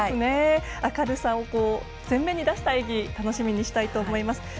明るさを全面に出した演技楽しみにしたいと思います。